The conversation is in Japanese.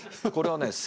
これはね